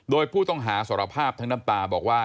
โดยผู้ต้องหาสารภาพทั้งน้ำตาบอกว่า